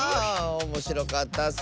おもしろかったッス！